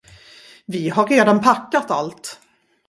Vi har redan packat allt.